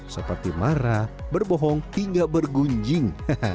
seperti marah berbohong hingga bergunjing